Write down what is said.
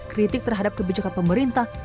kritik terhadap kebijakan pemerintah